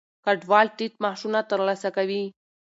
کډوال ټیټ معاشونه ترلاسه کوي.